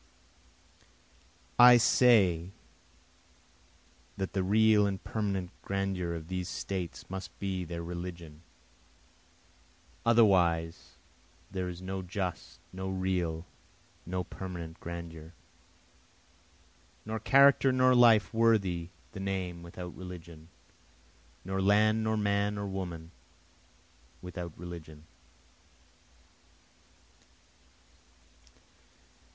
I say that the real and permanent grandeur of these States must be their religion, Otherwise there is just no real and permanent grandeur; (Nor character nor life worthy the name without religion, Nor land nor man or woman without religion.)